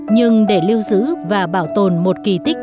nhưng để lưu giữ và bảo tồn một kỳ tích